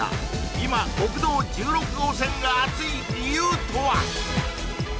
今国道１６号線がアツい理由とは？